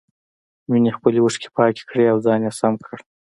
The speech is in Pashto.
مينې خپلې اوښکې پاکې کړې او ځان يې سم کړ.